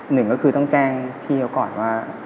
หนึ่งก็คือต้องแจ้งพี่เขาก่อนว่า